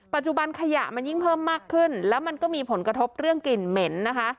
ขยะมันยิ่งเพิ่มมากขึ้นแล้วมันก็มีผลกระทบเรื่องกลิ่นเหม็นนะคะ